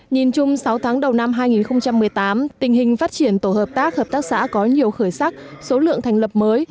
nhìn chung sáu tháng đầu năm hai nghìn một mươi tám tình hình phát triển tổ hợp tác hợp tác xã có nhiều khởi sắc số lượng thành lập mới